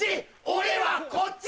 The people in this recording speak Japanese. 俺はこっち！